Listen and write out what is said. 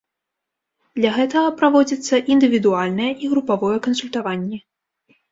Для гэтага праводзіцца індывідуальнае і групавое кансультаванні.